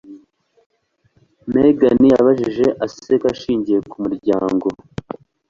Megan yabajije, aseka ashingiye ku muryango.